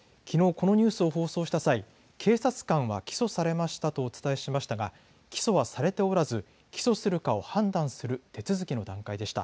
このニュースを放送した際警察官は起訴されましたとお伝えしましたが起訴はされておらず起訴するかを判断する手続きの段階でした。